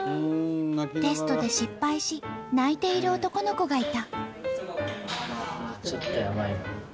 テストで失敗し泣いている男の子がいた。